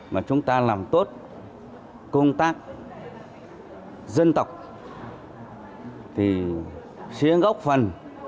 mà chúng ta làm tốt công tác dân tộc thì xuyên gốc phần